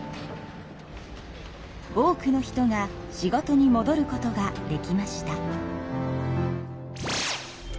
多くの人が仕事にもどることができました。